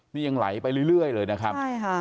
นี่ยังไหลไปเรื่อยเลยนะครับใช่ค่ะ